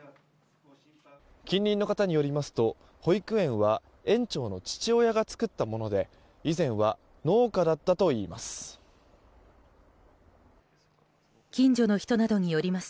近隣の方によりますと保育園は園長の父親が作ったもので以前は農家だったといいます。